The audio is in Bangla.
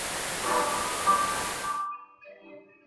ওরা কোনো কাজের ছিলো না আপনাকে কথাটা কে বললো?